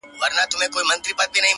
o خود نو په دغه يو سـفر كي جادو ـ